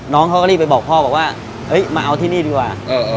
น้องเขาก็รีบไปบอกพ่อบอกว่ามาเอาที่นี่ดีกว่า